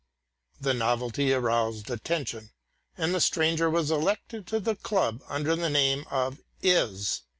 The novelty aroused attention, and the stranger was elected to the club under the name of Is.